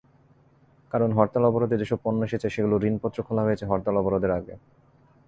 কারণ, হরতাল-অবরোধে যেসব পণ্য এসেছে, সেগুলোর ঋণপত্র খোলা হয়েছে হরতাল-অবরোধের আগে।